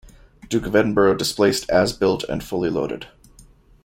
"Duke of Edinburgh" displaced as built and fully loaded.